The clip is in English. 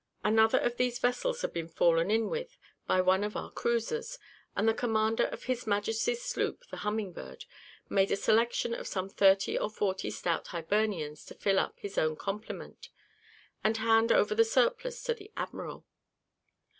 Another of these vessels had been fallen in with by one of our cruisers, and the commander of His Majesty's sloop, the Humming Bird, made a selection of some thirty or forty stout Hibernians to fill up his own complement, and hand over the surplus to the admiral.